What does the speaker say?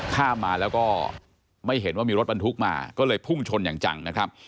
ข้ามมาแล้วก็ไม่เห็นว่ามีรถบรรทุกมาก็เลยพุ่งชนอย่างจังนะครับ